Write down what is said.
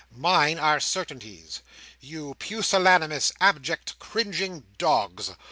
"Mine are certainties. You pusillanimous, abject, cringing dogs!